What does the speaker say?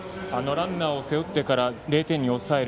ランナーを背負ってから０点に抑える。